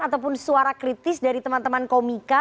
ataupun suara kritis dari teman teman komika